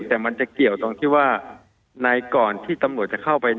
แต่มันจะเกี่ยวตรงที่ว่าในก่อนที่ตำรวจจะเข้าไป